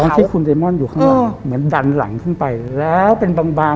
ซ้อนที่คุณเดมอนอยู่ข้างล่าง